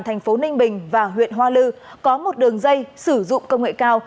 thành phố ninh bình và huyện hoa lư có một đường dây sử dụng công nghệ cao